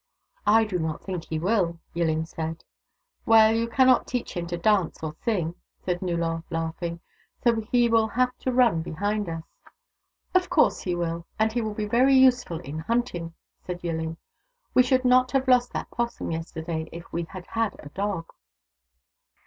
" I do not think he will," Yilhn said. " Well, you cannot teach him to dance or sing," THE DAUGHTERS OF WONKAWALA 175 said Nullor, laughing, "so he will have to run behind us." " Of course he will ; and he will be very useful in hunting," said Yilhn. " We should not have lost that 'possum yesterday if we had had a dog."